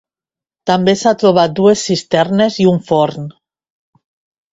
També s'han trobat dues cisternes i un forn.